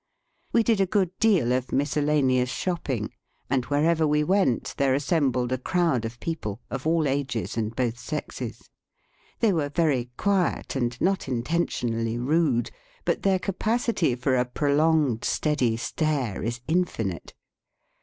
We did a good deal of mis cellaneous shopping, and wherever we went there assembled a crowd of people, of all ages and both sexes. They were very quiet and not intentionally rude, but their capacity for a prolonged steady stare is infinite.